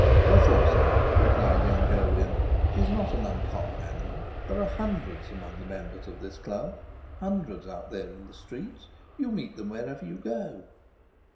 "A Forsyte," replied young Jolyon, "is not an uncommon animal. There are hundreds among the members of this Club. Hundreds out there in the streets; you meet them wherever you go!"